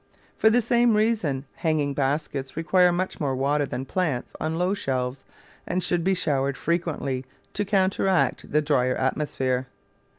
For the same reason hanging baskets require much more water than plants on low shelves, and should be showered frequently to counteract the dryer atmosphere.